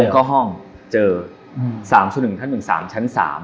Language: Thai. ตรงเข้าห้องเจอ๓๑๑๓ชั้น๓